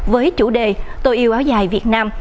với chủ đề tôi yêu áo dài việt nam